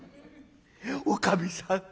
おかみさん